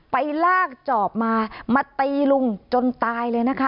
ไปลากจอบมามาตีลุงจนตายเลยนะคะ